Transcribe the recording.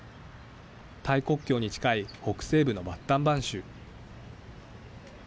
タイ国境に近い北西部のバッタンバン州。